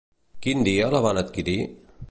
Quin dia la van adquirir?